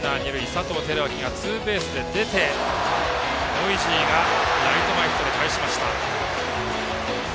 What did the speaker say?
佐藤輝明がツーベースで出てノイジーがライト前ヒットでかえしました。